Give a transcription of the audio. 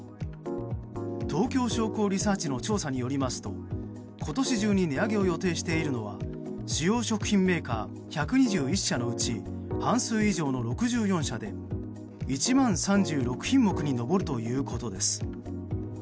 東京商工リサーチの調査によりますと今年中に値上げを予定しているのは主要食品メーカー１２１社のうち半数以上の６４社で１万３６品目に上るということです。